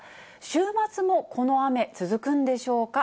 週末もこの雨、続くんでしょうか。